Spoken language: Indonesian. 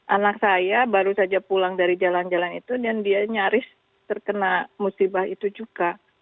anak saya baru saja pulang dari jalan jalan itu dan dia nyaris terkena musibah itu juga